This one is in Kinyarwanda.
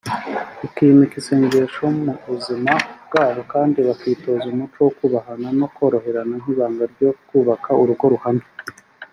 bakimika isengesho mu buzima bwabo kandi bakitoza umuco wo kubahana no koroherana nk’ibanga ryo kubaka urugo ruhamye